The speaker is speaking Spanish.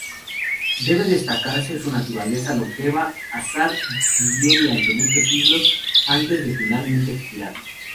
Debe destacarse su naturaleza longeva, Azar vivió durante muchos siglos antes de finalmente expirar.